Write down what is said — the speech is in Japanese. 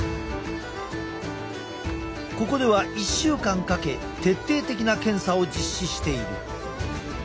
ここでは１週間かけ徹底的な検査を実施している。